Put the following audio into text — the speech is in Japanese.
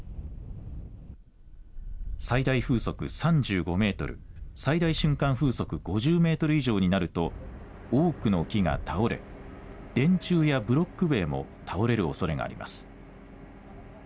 最大風速３５メートル、最大瞬間風速５０メートル以上になると多くの木が倒れ、電柱やブロック塀も倒れるおそれがあります。